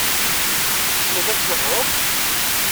Tesneḍ ad tnehreḍ?